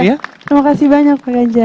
terima kasih banyak pak ganjar